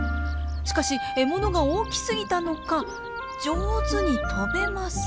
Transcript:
しかし獲物が大きすぎたのか上手に飛べません。